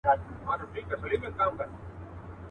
لېوه ږغ کړه فیله ولي په ځغستا یې.